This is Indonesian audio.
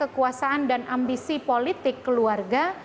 menurut saya kekuasaan dan ambisi politik keluarga